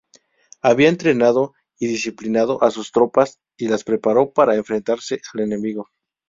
Había entrenado y disciplinado a sus tropas y las preparó para enfrentarse al enemigo.